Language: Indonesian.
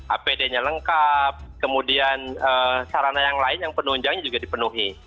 apd nya lengkap kemudian sarana yang lain yang penunjangnya juga dipenuhi